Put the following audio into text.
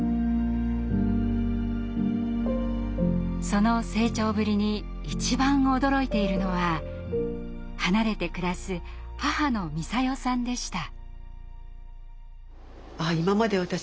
その成長ぶりに一番驚いているのは離れて暮らす母の美砂世さんでした。